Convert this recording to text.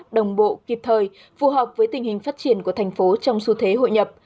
đồng bộ kịp thời phù hợp với tình hình phát triển của thành phố trong xu thế hội nhập